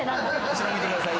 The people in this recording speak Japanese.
後ろ向いてください。